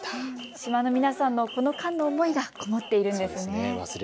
島の皆さんの思いがこもっているんですね。